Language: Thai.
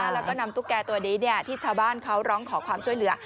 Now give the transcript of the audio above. แล้วก็นำตุ๊กแก่ตัวนี้ที่ชาวบ้านเขาร้องขอความช่วยเหลือ